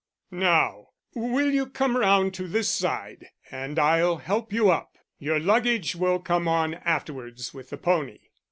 "Now, will you come round to this side and I'll help you up. Your luggage will come on afterwards with the pony."